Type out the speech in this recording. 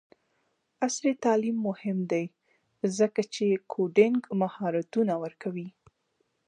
عصري تعلیم مهم دی ځکه چې کوډینګ مهارتونه ورکوي.